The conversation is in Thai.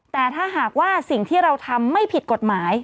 แต่ถ้าหากว่าสิ่งที่เราทำไม่ผิดกฎหมาย